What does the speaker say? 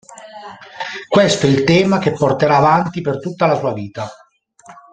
Questo è il tema che porterà avanti per tutta la sua vita.